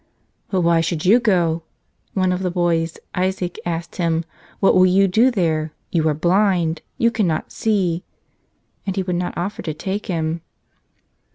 "But why should you go?" one of the boys, Isaac, asked him. "What will you do there? You are blind; you cannot see." And he would not offer to take him.